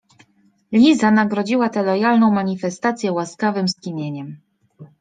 Liza nagrodziła tę lojalną manifestację łaskawym skinieniem.